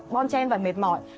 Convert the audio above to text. bon chen và mệt mỏi